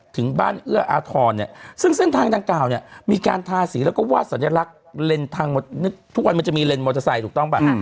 ถึงบ้านเอื้ออาทรเนี่ยซึ่งเส้นทางดังกล่าวเนี่ยมีการทาสีแล้วก็วาดสัญลักษณ์เลนส์ทางทุกวันมันจะมีเลนมอเตอร์ไซค์ถูกต้องป่ะ